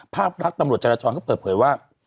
ภาพลักษณ์ตำรวจจราจรก็เปิดเผยว่า